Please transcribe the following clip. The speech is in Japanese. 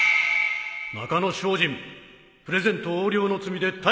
中野小心プレゼント横領の罪で逮捕する